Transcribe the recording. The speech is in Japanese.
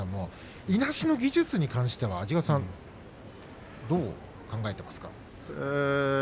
いなしの技術については安治川さん、どう考えていますか。